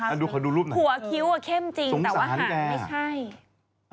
อ่าดูขอดูรูปหน่อยหัวคิ้วก็เข้มจริงแต่ว่าหางไม่ใช่สงสารแก